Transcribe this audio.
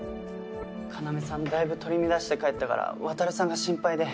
要さんだいぶ取り乱して帰ったから渉さんが心配で。